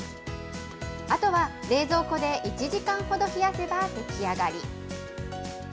あとは冷蔵庫で１時間ほど冷やせば出来上がり。